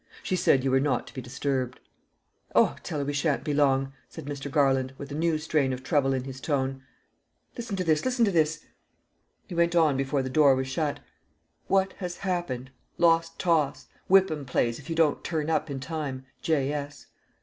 "She said you were not to be disturbed." "Oh, tell her we shan't be long," said Mr. Garland, with a new strain of trouble in his tone. "Listen to this listen to this," he went on before the door was shut: "'What has happened? Lost toss. Whipham plays if you don't turn up in time. J. S.'"